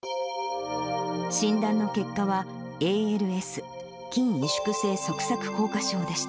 診断の結果は、ＡＬＳ・筋萎縮性側索硬化症でした。